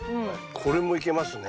これもいけますね。